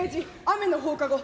雨の放課後。